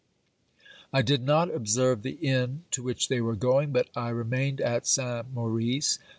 I did not observe the inn to which they were going, but I remained at Saint Maurice.